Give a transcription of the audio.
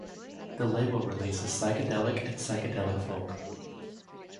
The label releases psychedelic and psychedelic folk.